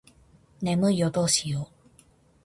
眠いよどうしよう